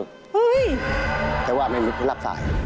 หึยแต่ว่าแม่มีก็รับสาย